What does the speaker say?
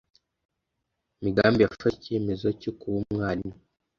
Migambi yafashe icyemezo cyo kuba umwarimu.